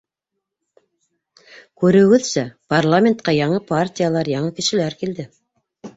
— Күреүегеҙсә, парламентҡа яңы партиялар, яңы кешеләр килде.